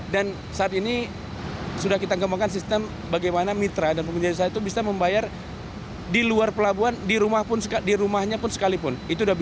dan saat ini sudah kita mengembangkan sistem bagaimana mitra dan pengguna jasa itu bisa membayar di luar pelabuhan di rumahnya pun sekalipun